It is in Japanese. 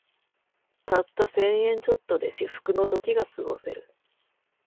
たった千円ちょっとで至福の時がすごせる